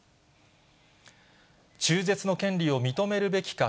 中絶の権利を認めるべきか、